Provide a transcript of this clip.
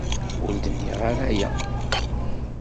Ur d-nniɣ ara aya.